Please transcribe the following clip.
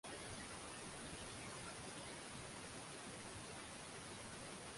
maradufu wa kupunguza uchafuzi wa hewa na kiwango cha kaboni